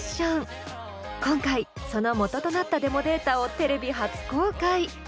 今回その元となったデモデータをテレビ初公開！